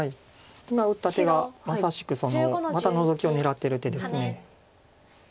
今打った手がまさしくまたノゾキを狙ってる手です。